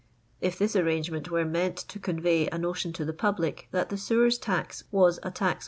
If this arrangement were meant to convey a notion to the public that the sewers tax was a tax.